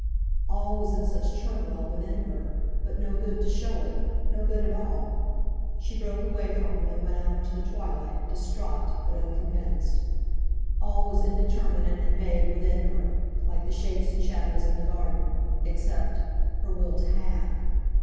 All was in such turmoil within her. But no good to show it! No good at all! She broke away from him, and went out into the twilight, distraught, but unconvinced. All was indeterminate and vague within her, like the shapes and shadows in the garden, except—her will to have.